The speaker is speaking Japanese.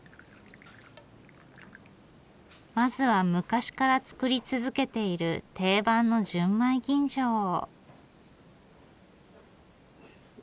まずは昔から造り続けている定番の純米吟醸を。